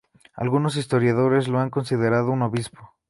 Algunos historiadores lo han considerado un obispo.